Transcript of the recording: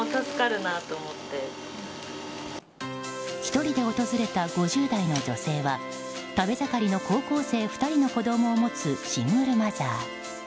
１人で訪れた５０代の女性は食べ盛りの高校生２人の子供を持つシングルマザー。